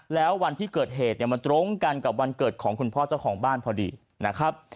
แล้ววันที่เกิดเหตุเนี่ยมันตรงกันกับวันเกิดของคุณพ่อเจ้าของบ้านพอดีนะครับ